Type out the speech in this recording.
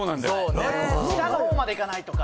下の方までいかないとか。